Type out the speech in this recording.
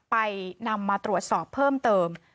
ไปนำมาตรวจสอบเพิ่มเติม